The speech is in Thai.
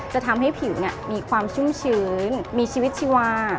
จะทำให้ผิวมีความชุ่มชื้นมีชีวิตชีวา